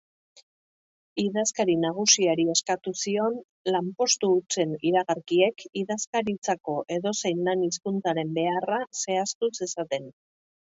Idazkari nagusiari eskatu zion lanpostu hutsen iragarkiek Idazkaritzako edozein lan-hizkuntzaren beharra zehaztu zezaten.